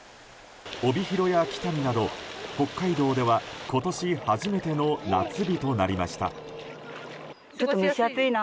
帯広や北見など北海道では今年初めての夏日となりました。